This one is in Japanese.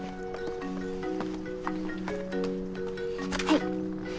はい。